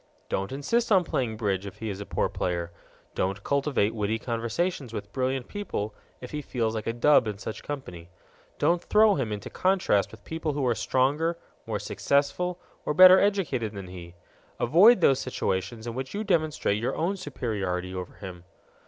Don't insist on playing bridge if he a poor player; don't cultivate witty conversations with brilliant people if he feels like a dub in such company; don't throw him into contrast with people who are stronger, more successful, or better educated than he; avoid those situations in which you demonstrate your own superiority over him.